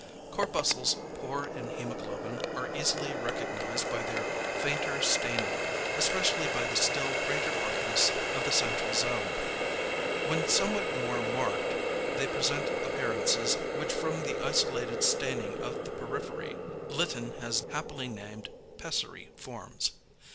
Corpuscles poor in hæmoglobin are easily recognised by their fainter staining, especially by the still greater brightness of the central zone. When somewhat more marked, they present appearances which from the isolated staining of the periphery Litten has happily named "pessary" forms.